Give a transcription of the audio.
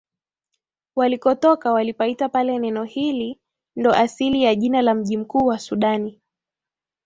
walikotoka walipaita pale Neno hili ndo asili ya jina la mji mkuu wa Sudani